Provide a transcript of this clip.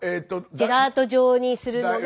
ジェラート状にするのが。